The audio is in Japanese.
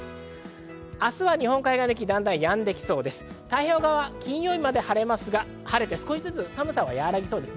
明日は日本海側では雪がやんで、太平洋側は金曜日まで晴れますが、晴れて少しずつ寒さは和らぎそうです。